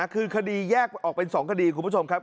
คือคดีแยกออกเป็น๒คดีคุณผู้ชมครับ